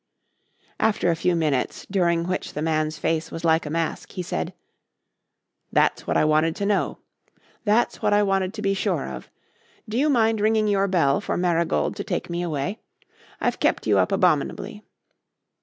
After a few minutes, during which the man's face was like a mask, he said: "That's what I wanted to know. That's what I wanted to be sure of. Do you mind ringing your bell for Marigold to take me away? I've kept you up abominably."